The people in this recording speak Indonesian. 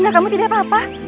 nah kamu tidak apa apa